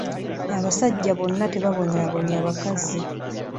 Abasajja bonna tebabonyaabonya bakazi.